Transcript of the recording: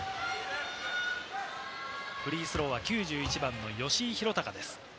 フリースローは９１番の吉井裕鷹です。